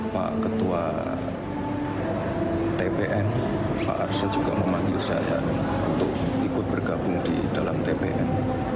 pak ketua tpn pak arsyad juga memanggil saya untuk ikut bergabung di dalam tpn